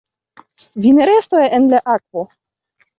"Vi ne restu en la akvo!"